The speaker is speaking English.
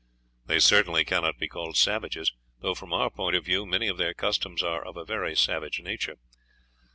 "They certainly cannot be called savages, though from our point of view many of their customs are of a very savage nature.